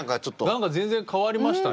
なんか全然変わりましたね。